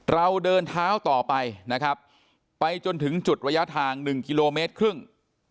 เราเดินเท้าต่อไปนะครับไปจนถึงจุดระยะทาง๑กิโลเมตรครึ่ง